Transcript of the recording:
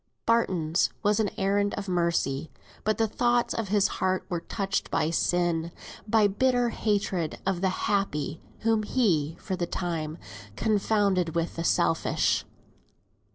Barton's was an errand of mercy; but the thoughts of his heart were touched by sin, by bitter hatred of the happy, whom he, for the time, confounded with the selfish.